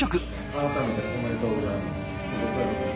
改めておめでとうございます。